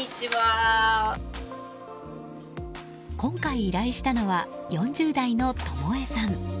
今回、依頼したのは４０代の智枝さん。